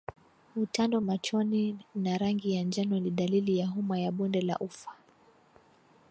Utando machoni na rangi ya njano ni dalili ya homa ya bonde la ufa